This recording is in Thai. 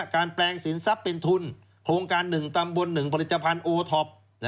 การแปลงสินทรัพย์เป็นทุนโครงการหนึ่งตำบลหนึ่งผลิตภัณฑ์โอท็อป